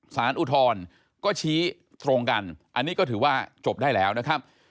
อุทธรณ์ก็ชี้ตรงกันอันนี้ก็ถือว่าจบได้แล้วนะครับ